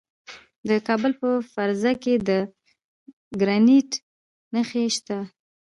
د کابل په فرزه کې د ګرانیټ نښې شته.